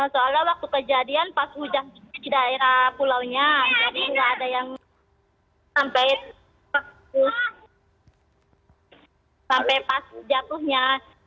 soalnya waktu kejadian pas hujan ini di daerah pulaunya jadi nggak ada yang sampai pas jatuhnya